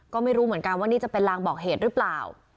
ก็ไม่รู้เหมือนกันว่านี่จะเป็นลางบอกเหตุหรือเปล่า